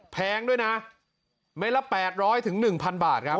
แพงด้วยน่ะเมล็ดละแปดร้อยถึงหนึ่งพันบาทครับ